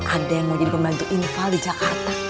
ada yang mau jadi pembantu infal di jakarta